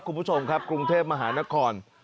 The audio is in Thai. คุณผู้ชมครับกรุงเทพมหานคร